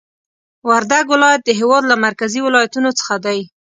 وردګ ولایت د هېواد له مرکزي ولایتونو څخه دی